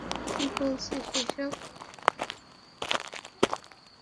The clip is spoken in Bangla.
কি বলছেন এইসব!